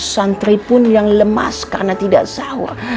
santri pun yang lemas karena tidak sahur